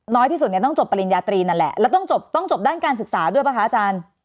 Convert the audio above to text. ที่สุดเนี่ยต้องจบปริญญาตรีนั่นแหละแล้วต้องจบต้องจบด้านการศึกษาด้วยป่ะคะอาจารย์